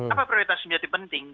apa prioritas sebenarnya penting